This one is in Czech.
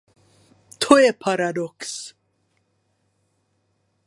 To je paradox!